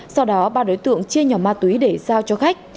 sau đó ba đối tượng chia nhỏ ma túy để giao cho khách